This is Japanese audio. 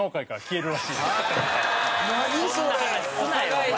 そんな話すなよお前。